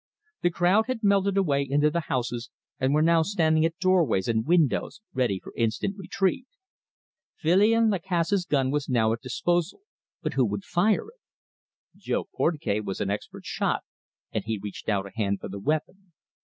The crowd had melted away into the houses, and were now standing at doorways and windows, ready for instant retreat. Filion Lacasse's gun was now at disposal, but who would fire it? Jo Portugais was an expert shot, and he reached out a hand for the weapon.